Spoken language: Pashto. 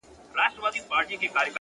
هوښیار انتخاب پښېماني کموي!